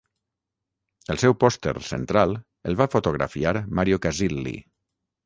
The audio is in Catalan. El seu pòster central el va fotografiar Mario Casilli.